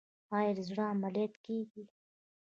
آیا د زړه عملیات کیږي؟